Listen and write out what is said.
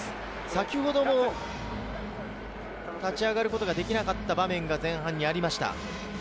先ほども立ち上がることができなかった場面が前半にありました。